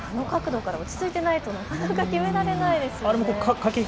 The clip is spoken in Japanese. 落ち着いていないとなかなか決められないですよね。